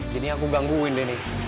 jadinya aku gangguin deh nih